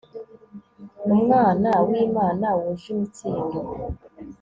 umwana w'imana; wuje imitsindo